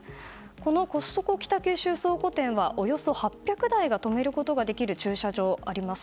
このコストコ北九州倉庫店はおよそ８００台止めることができる駐車場があります。